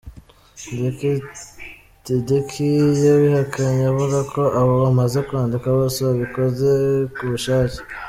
Dedeki yabihakanye avuga ko abo bamaze kwandika bose babikoze ku bushake.